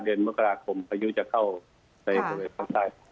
เดือนมกราคมพายุจะเข้าในส่วนต่างของเรา